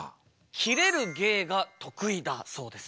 キレる芸が得意だそうです。